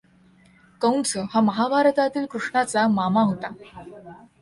कंस हा महाभारतातील कृष्णाचा मामा होता.